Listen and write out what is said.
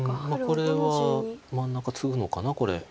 これは真ん中ツグのかなこれ。